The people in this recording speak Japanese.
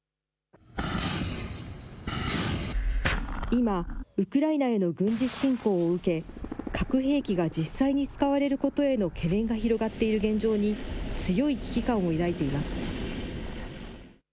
今、ウクライナへの軍事侵攻を受け、核兵器が実際に使われることへの懸念が広がっている現状に、強い危機感を抱いています。